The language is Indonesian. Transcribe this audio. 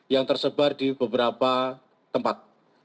yang tersebar di beberapa tempat